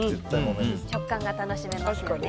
食感が楽しめますよね。